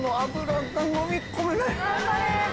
頑張れ！